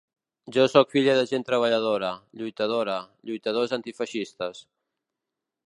Jo sóc filla de gent treballadora, lluitadora, lluitadors antifeixistes.